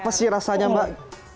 apa sih rasanya mbak